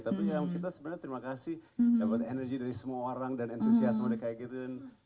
tapi ya kita sebenarnya terima kasih dapat energi dari semua orang dan entusiasme kayak gitu